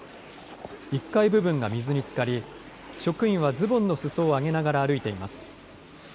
１階部分が水につかり職員はズボンの裾を上げながら歩いています。